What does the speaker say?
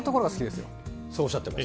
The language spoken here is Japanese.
そうおっしゃってます。